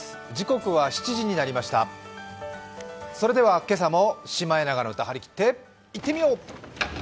それでは今朝も「シマエナガの歌」張り切っていってみよう。